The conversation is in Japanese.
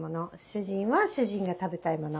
主人は主人が食べたいもの。